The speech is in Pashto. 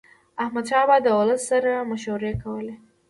احمدشاه بابا به د ولس سره مشورې کولي.